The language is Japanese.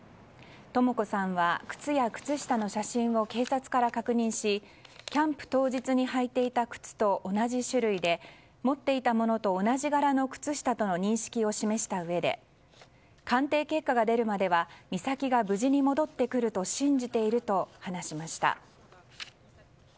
とも子さんは、靴や靴下の写真を警察から確認しキャンプ当日に履いていた靴と同じ種類で持っていたものと同じ柄の靴下との認識を示したうえで鑑定結果が出るまでは美咲が無事に戻ってくると信じていると話しました。